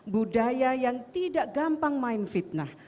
budaya yang tidak gampang main fitnah